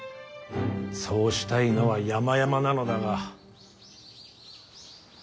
そうしたいのはやまやまなのだが。